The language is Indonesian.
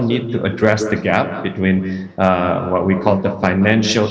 kita tahu bahwa kita juga perlu mengembangkan gap antara apa yang kita panggil